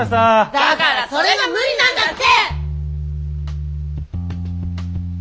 だからそれが無理なんだって！